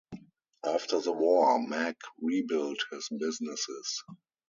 After the war, Mack rebuilt his businesses.